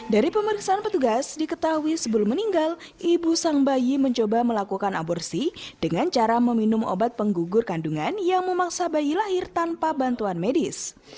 dari pemeriksaan petugas diketahui sebelum meninggal ibu sang bayi mencoba melakukan aborsi dengan cara meminum obat penggugur kandungan yang memaksa bayi lahir tanpa bantuan medis